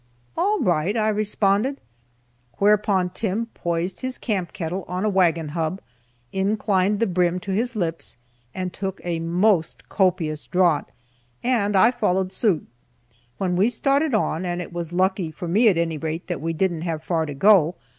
"All right," I responded. Thereupon Tim poised his camp kettle on a wagon hub, inclined the brim to his lips, and took a most copious draught, and I followed suit. We then started on, and it was lucky, for me at any rate, that we didn't have far to go.